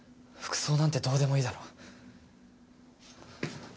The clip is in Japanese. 服装なんてどうでもいいだろ。